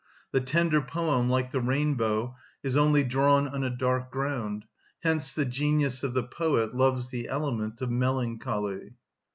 The tender poem, like the rainbow, is only drawn on a dark ground; hence the genius of the poet loves the element of melancholy."